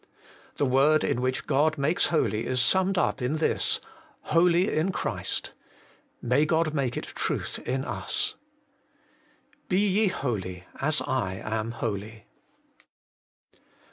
The word in which God makes holy is summed up in this, HOLY IN CHRIST. May God make it truth in us ! BE YE HOLY, AS I AM HOLY.